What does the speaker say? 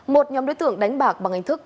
một nhóm đối tượng đánh bạc bằng hình thức